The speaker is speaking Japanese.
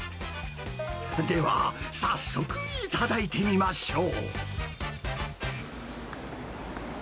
では、早速いただいてみましょう。